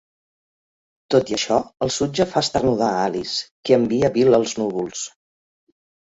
Tot i això, el sutge fa esternudar Alice, qui envia Bill als núvols.